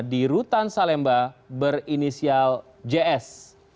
di rutan salemba berinisial js